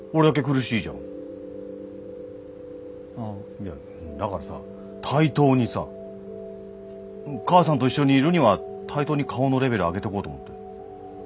いやだからさ対等にさ母さんと一緒にいるには対等に顔のレベル上げとこうと思って。